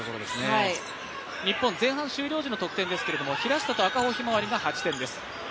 日本、前半終了時の得点は、平下と赤穂ひまわりが８点です。